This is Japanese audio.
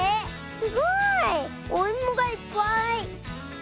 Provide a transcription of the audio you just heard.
すごい。おいもがいっぱい。